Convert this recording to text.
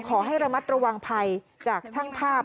ขอให้ระมัดระวังภัยจากช่างภาพ